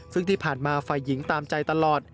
ซึ่งที่ผ่านมาฝ่ายหญิงตามใจตลอด